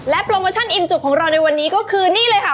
โปรโมชั่นอิ่มจุกของเราในวันนี้ก็คือนี่เลยค่ะ